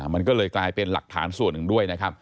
มันก็เลยกลายเป็นหลักฐานส่วนหนึ่งด้วยนะครับ